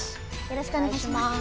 よろしくお願いします。